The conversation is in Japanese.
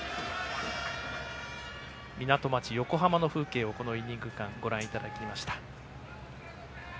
港町・横浜の風景をこのイニング間ご覧いただきました。